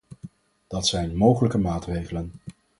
Dat zijn mogelijke maatregelen.